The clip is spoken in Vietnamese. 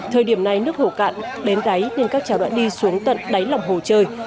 thời điểm này nước hồ cạn đến đáy nên các cháu đã đi xuống tận đáy lòng hồ chơi